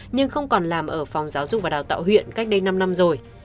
nhưng không còn làm ở phòng giáo dục và đào tạo huyện cách đây năm năm rồi